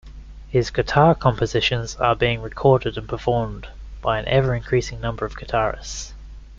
His guitar compositions are being recorded and performed by an ever-increasing number of guitarists.